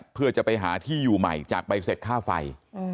เพื่อจะไปหาที่อยู่ใหม่จากใบเสร็จค่าไฟ